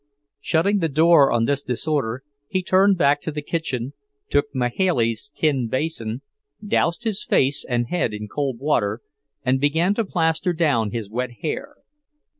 Shutting the door on this disorder, he turned back to the kitchen, took Mahailey's tin basin, doused his face and head in cold water, and began to plaster down his wet hair.